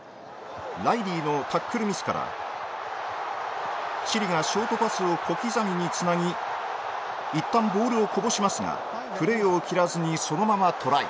ライリーのタックルミスからチリがショートパスを小刻みにつなぎいったんボールをこぼしますがプレーを切らずにそのままトライ